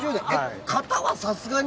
型はさすがに？